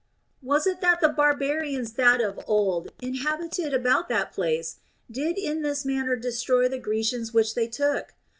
Was it that the barbarians that of old in habited about that place did in this manner destroy the Grecians which they took